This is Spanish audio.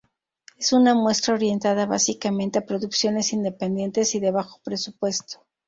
Es una muestra orientada básicamente a producciones independientes y de bajo presupuesto.